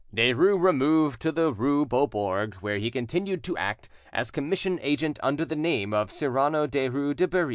Derues removed to the rue Beaubourg, where he continued to act as commission agent under the name of Cyrano Derues de Bury.